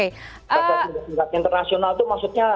pemain internasional itu maksudnya